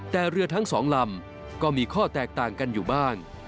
แต่เรือทั้งสองลำก็มีข้อแตกต่างกันอยู่บ้าง